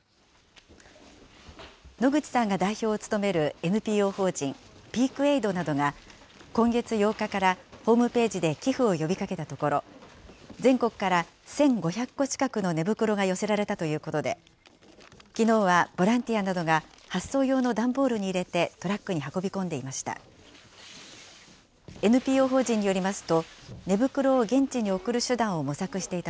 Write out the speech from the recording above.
野口さんが代表を務めるＮＰＯ法人ピーク・エイドなどが、今月８日からホームページで寄付を呼びかけたところ、全国から１５００個近くの寝袋が寄せられたということで、きのうはボランティアなどが発送用の段ボールに入れて、トラックに運び込んでいました。